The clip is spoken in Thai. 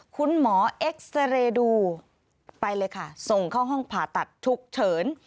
คุณหมอเอ็กซาเรย์ดูไปเลยค่ะส่งเข้าห้องผ่าตัดฉุกเฉิน